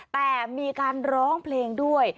แต่มีการร้องเพลงด้วย